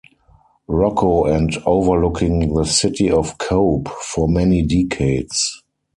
Rokko and overlooking the city of Kobe, for many decades.